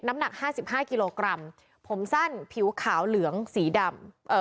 หนักห้าสิบห้ากิโลกรัมผมสั้นผิวขาวเหลืองสีดำเอ่อ